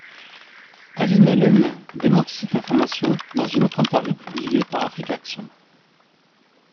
Ali Mallem démentit cette information dans une autre interview publiée par Afrique Action.